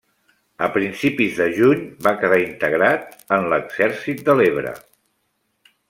A principis de juny va quedar integrat en l'Exèrcit de l'Ebre.